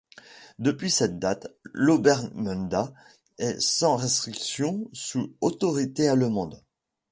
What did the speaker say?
Depuis cette date l'Obermundat est sans restriction sous autorité allemande.